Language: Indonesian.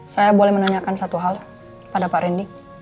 saya boleh menanyakan satu hal pada pak randy